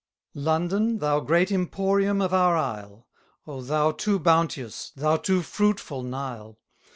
London, thou great emporium of our isle, O thou too bounteous, thou too fruitful Nile!